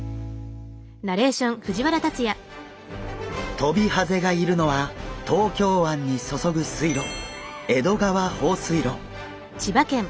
トビハゼがいるのは東京湾に注ぐ水路江戸川放水路。